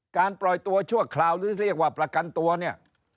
ปล่อยตัวชั่วคราวหรือเรียกว่าประกันตัวเนี่ย